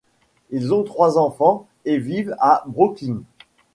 Ils ont trois enfants et vivent à Brooklyn.